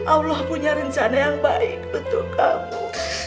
allah punya rencana yang baik untuk kamu